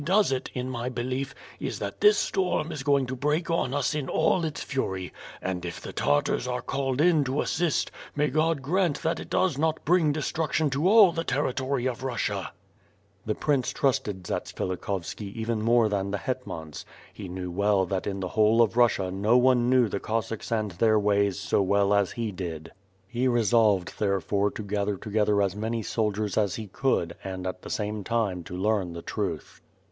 gi does it, in my belief, is that this Ftorm is going to break on us in all its fury; and if the Tartars are called in to assist, may God grant that it does not bring destruction to all the ter ritory of Russia," The Prince trusted Zatsvilikhovski even more than the Iletmans. He knew well that in. the whole of Russia no one knew the Cossacks and their ways so well as he did. He re solved therefore to gather together as many soldiers as he could and at the same time to learn the truth.